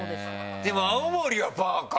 でも青森はパーか。